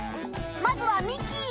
まずはミキ！